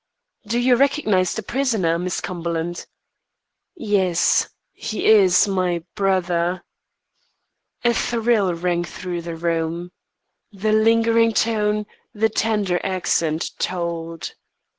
"Do you recognise the prisoner, Miss Cumberland?" "Yes; he is my brother." A thrill ran through the room. The lingering tone, the tender accent, told.